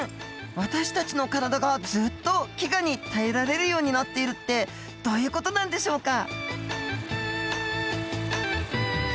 私たちの体がずっと「飢餓に耐えられるようになっている」ってどういう事なんでしょうか？